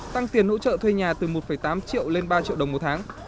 tăng tiền hỗ trợ thuê nhà từ một tám triệu lên ba triệu đồng một tháng